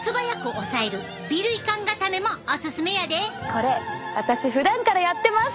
これ私ふだんからやってます！